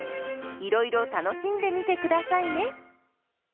いろいろ楽しんでみてくださいね。